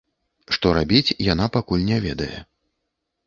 Што рабіць, яна пакуль не ведае.